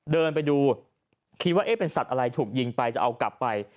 เดินไปดูคิดว่าเอ๊ะเป็นสัตว์อะไรถูกยิงไปจะเอากลับไป